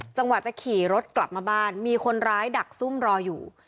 จังหวะจะขี่รถกลับมาบ้านมีคนร้ายดักซุ่มรออยู่